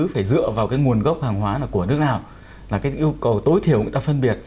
phải dựa vào cái nguồn gốc hàng hóa của nước nào là cái yêu cầu tối thiểu người ta phân biệt